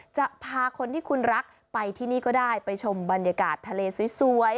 จะพาคนที่คุณรักไปที่นี่ก็ได้ไปชมบรรยากาศทะเลสวย